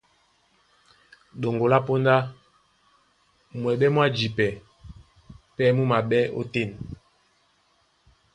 Ɗoŋgo lá póndá, mwɛɓɛ́ mwá jipɛ pɛ́ mú maɓɛ́ ótên.